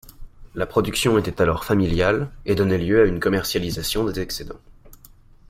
La production était alors familiale et donnait lieu à une commercialisation des excédents.